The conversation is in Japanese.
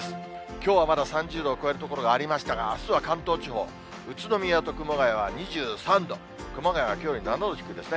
きょうはまだ３０度を超える所がありましたが、あすは関東地方、宇都宮と熊谷は２３度、熊谷はきょうより７度低いですね。